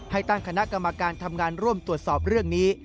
ให้ตั้งคณะกรรมการทำงานร่วมตรวจสอบเรื่องนี้